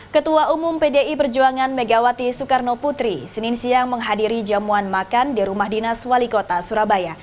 ketua umum pdi perjuangan megawati soekarno putri senin siang menghadiri jamuan makan di rumah dinas wali kota surabaya